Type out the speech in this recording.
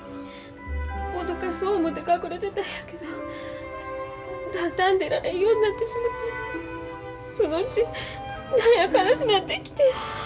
おどかそ思て隠れてたんやけどだんだん出られんようになってしもてそのうち何や悲しなってきて。